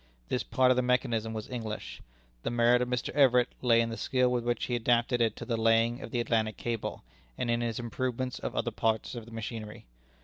This part of the mechanism was English. The merit of Mr. Everett lay in the skill with which he adapted it to the laying of the Atlantic cable, and in his improvements of other parts of the machinery.